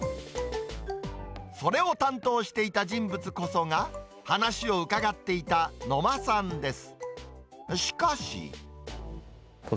それを担当していた人物こそが、話を伺っていた野間さんです。